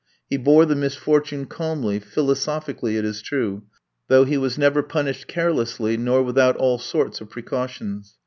He bore the misfortune calmly, philosophically, it is true, though he was never punished carelessly, nor without all sorts of precautions.